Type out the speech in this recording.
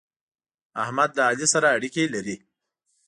احمد له علي سره اړېکې لري.